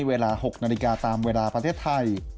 เวลา๖นาฬิกาตามเวลาประเทศไทย